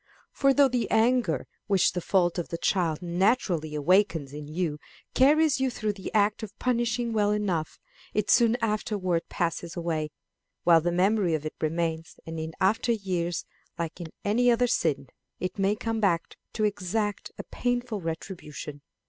For though the anger which the fault of the child naturally awakens in you carries you through the act of punishing well enough, it soon afterwards passes away, while the memory of it remains, and in after years, like any other sin, it may come back to exact a painful retribution.